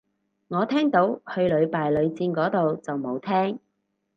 我聽到去屢敗屢戰個到就冇聽